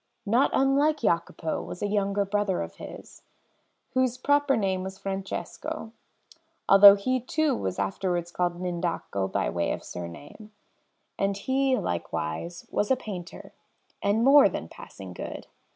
Not unlike Jacopo was a younger brother of his, whose proper name was Francesco, although he too was afterwards called L'Indaco by way of surname; and he, likewise, was a painter, and more than passing good.